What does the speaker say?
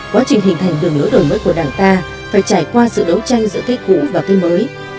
quá trình hình thành đường lối đổi mới của đảng ta phải trải qua sự đấu tranh giữa cây cũ và cây mới